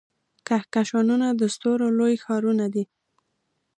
کهکشانونه د ستورو لوی ښارونه دي.